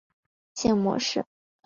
惯性模式。